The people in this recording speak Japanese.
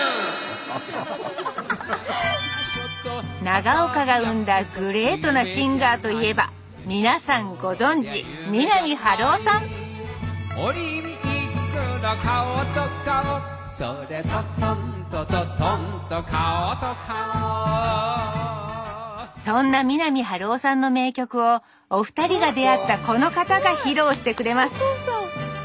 長岡が生んだグレートなシンガーといえば皆さんご存じ三波春夫さんそんな三波春夫さんの名曲をお二人が出会ったこの方が披露してくれます